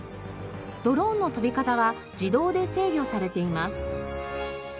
ドローンの飛び方は自動で制御されています。